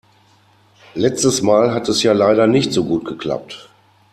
Letztes Mal hat es ja leider nicht so gut geklappt.